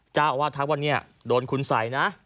เจ้าอวาสทักวันนี้โดนคุณใสนะ